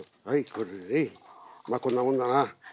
これでまあこんなもんだな。